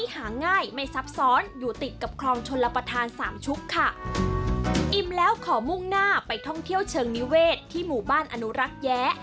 ไม่ซับซ้อนอยู่ติดกับคลองชลประธานสามชุกค่ะอิ่มแล้วขอมุ่งหน้าไปท่องเที่ยวเชิงนิเวศที่หมู่บ้านอนุรักษ์แย้